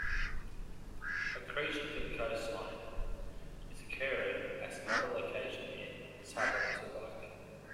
Accretion to the coastline is occurring at another location near Tabontebike.